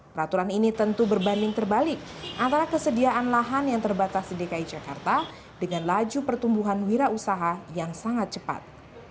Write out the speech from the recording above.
peraturan ini tentu berbanding terbalik antara kesediaan lahan yang terbatas di dki jakarta dengan laju pertumbuhan wira usaha yang sangat cepat